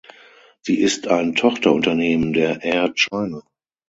Sie ist ein Tochterunternehmen der Air China.